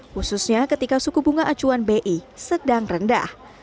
khususnya ketika suku bunga acuan bi sedang rendah